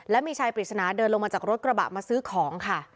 และมีชายปริศนาเดินลงมาจากรถกระบะมาซื้อของค่ะ